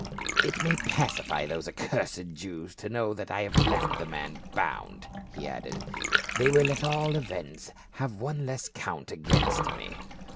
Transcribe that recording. It may pacify those accursed Jews to know that I have left the man bound," he added ;" they will at all events have one less count against me."